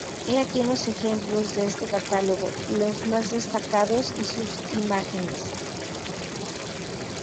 He aquí unos ejemplos de este catálogo, los más destacados y sus imágenes.